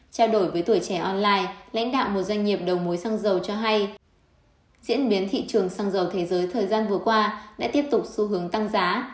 trao đổi với tuổi trẻ online lãnh đạo một doanh nghiệp đầu mối xăng dầu cho hay diễn biến thị trường xăng dầu thế giới thời gian vừa qua đã tiếp tục xu hướng tăng giá